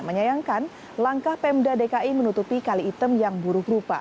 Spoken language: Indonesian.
menyayangkan langkah pemda dki menutupi kali item yang buruk rupa